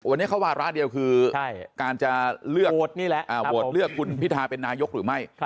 วันนี้เขาว่าร้านเดียวคือการจะเลือกโหดนี่แหละโหดเลือกคุณพิทาเป็นนายกหรือไม่